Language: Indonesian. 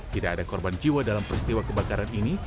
tidak ada korban jiwa dalam peristiwa kebakaran ini